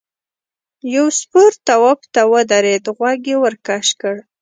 یو سپور تواب ته ودرېد غوږ یې ورکش کړ.